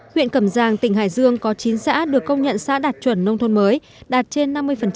huyện cẩm giang tỉnh hải dương có chín xã được công nhận xã đạt chuẩn nông thôn mới đạt trên năm mươi